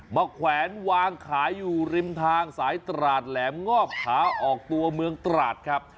แขวนวางขายอยู่ริมทางสายตราดแหลมงอบขาออกตัวเมืองตราดครับ